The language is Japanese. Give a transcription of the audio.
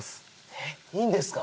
えっいいんですか？